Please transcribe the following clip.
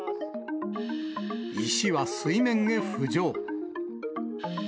石は水面へ浮上。